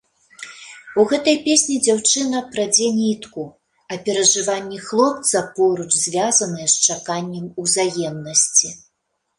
У гэтай песні дзяўчына прадзе нітку, а перажыванні хлопца поруч звязаныя з чаканнем узаемнасці.